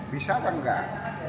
bisa atau enggak